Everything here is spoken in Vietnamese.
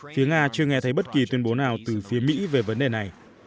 phía nga chưa nghe thấy bất kỳ tuyên bố nào từ phía mỹ về vấn đề này